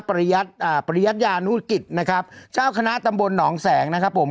ปริยัตยานุตกิจนะครับเจ้าคณะตำบลหนองแสงนะครับผม